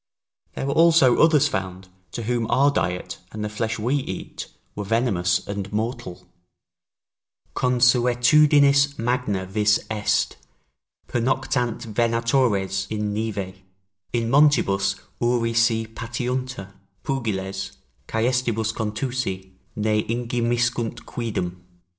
There were also others found, to whom our diet, and the flesh we eat, were venomous and mortal: "Consuetudinis magna vis est: pernoctant venatores in nive: in montibus uri se patiuntur: pugiles, caestibus contusi, ne ingemiscunt quidem."